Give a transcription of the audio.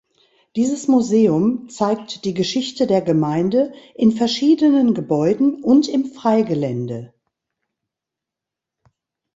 Dieses Museum zeigt die Geschichte der Gemeinde in verschiedenen Gebäuden und im Freigelände.